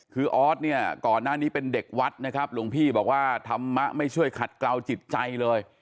คือออสเนี่ยก่อนหน้านี้เป็นเด็กวัดนะครับหลวงพี่บอกว่าธรรมะไม่ช่วยขัดเกลาจิตใจเลย